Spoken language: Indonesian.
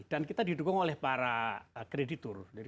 dan kita didukung oleh para kreditur